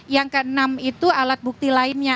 yang keenam itu alat bukti lainnya